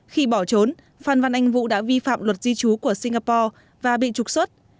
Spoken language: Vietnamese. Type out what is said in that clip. khi bỏ trốn phan văn anh vũ đã vi phạm luật di trú của singapore và bị trục xuất